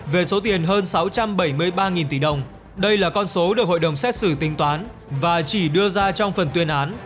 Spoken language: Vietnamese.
về số tiền hơn sáu trăm bảy mươi ba tỷ đồng đây là con số được hội đồng xét xử tính toán và chỉ đưa ra trong phần tuyên án